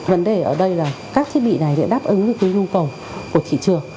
vấn đề ở đây là các thiết bị này đã đáp ứng với nhu cầu của thị trường